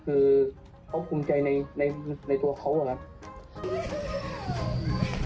คือเขาภูมิใจในตัวเขาอะครับ